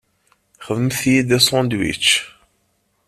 Xedmemt-iyi-d asandwič.